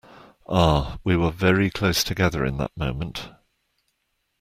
Ah, we were very close together in that moment.